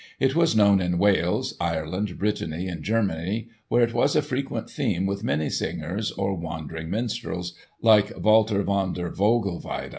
It was known in Wales, Ireland, Brittany and Germany where it was a frequent theme with minnesingers, or wandering minstrels, like Walter von der Vogelweide.